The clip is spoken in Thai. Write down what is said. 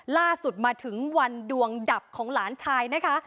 ล่าสุดมาถึงวันดวงดับของหลานชายนะคะ